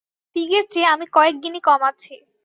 পিগের চেয়ে আমি কয়েক গিনি কম আছি।